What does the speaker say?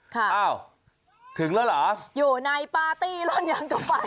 ค่ะถึงแล้วเหรออยู่ในปาร์ตี้ร่อนอย่างต่อไป